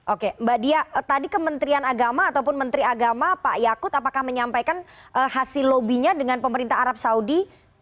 oke mbak dia tadi kementerian agama ataupun menteri agama pak yakut apakah menyampaikan hasil lobbynya dengan pemerintah arab saudi